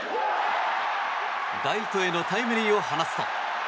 ライトへのタイムリーを放つと。